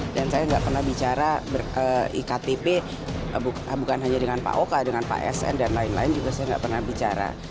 dan saya nggak pernah bicara ber iktp bukan hanya dengan pak oka dengan pak sn dan lain lain juga saya nggak pernah bicara